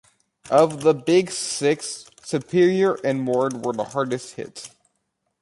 Of the "Big Six", Superior and Ward were the hardest hit.